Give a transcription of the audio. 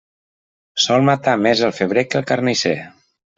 Sol matar més el febrer que el carnisser.